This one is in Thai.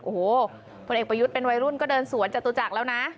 โอ้โหพลเอกประยุทธ์เป็นวัยรุ่นก็เดินสวนจตุจักรแล้วนะ